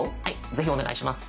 ぜひお願いします。